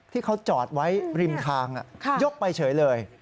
ที่เขาจอดไว้ริมทางยกไปเฉยเลย